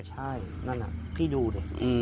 ใช่นั่นแหละพี่ดูดิ